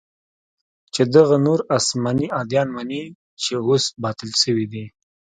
چې دغه نور اسماني اديان مني چې اوس باطل سوي دي.